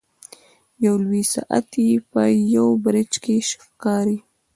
یو لوی ساعت یې په یوه برج کې ښکاري.